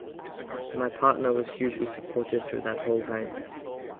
And my partner was hugely supportive through that whole time.